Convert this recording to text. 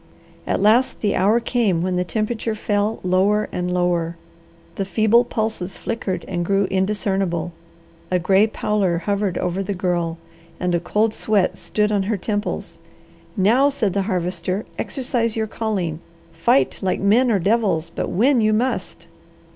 At last the hour came when the temperature fell lower and lower. The feeble pulses flickered and grew indiscernible; a gray pallor hovered over the Girl, and a cold sweat stood on her temples. "Now!" said the Harvester. "Exercise your calling! Fight like men or devils, but win you must."